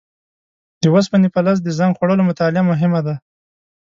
د اوسپنې فلز د زنګ خوړلو مطالعه مهمه ده.